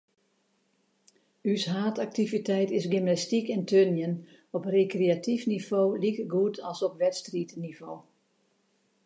Us haadaktiviteit is gymnastyk en turnjen, op rekreatyf nivo likegoed as op wedstriidnivo.